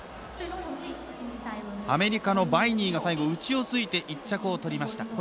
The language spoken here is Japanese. アメリカのバイニーが最後、内を突いて１着を取りました。